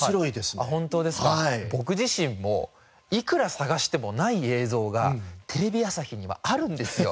僕自身もいくら探してもない映像がテレビ朝日にはあるんですよ。